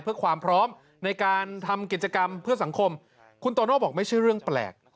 เพื่อความพร้อมในการทำกิจกรรมเพื่อสังคมคุณโตโน่บอกไม่ใช่เรื่องแปลก